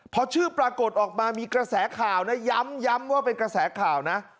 พอชื่อปรากฏออกมามีกระแสข่าวนะย้ำว่าเป็นกระแสข่าวนะ